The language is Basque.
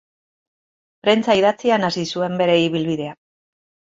Prentsa idatzian hasi zuen bere ibilbidea.